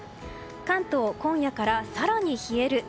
関東今夜から更に冷える。